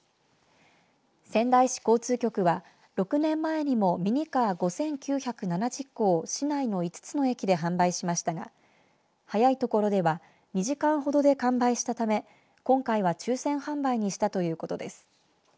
仙台市交通局は、６年前にもミニカー５９７０個を市内の５つの駅で販売しましたが早い所では２時間ほどで完売したため今回は抽せん販売にしたということです。